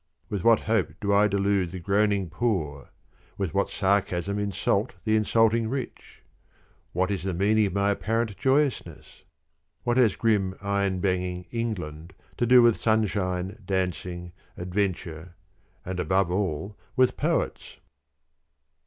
With what hope do I delude the groaning poor: with what sarcasm insult the insulting rich? What is the meaning of my apparent joyousness? What has grim iron banging England to do with sunshine, dancing, adventure and, above all, with Poets?